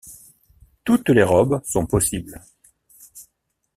Toutes les robes sont possibles.